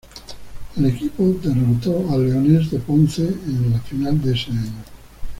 El equipo derrotó a Leones de Ponce en la final de ese año.